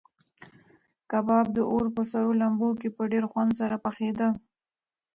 کباب د اور په سرو لمبو کې په ډېر خوند سره پخېده.